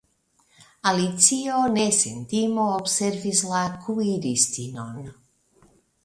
Alicio ne sen timo observis la kuiristinon.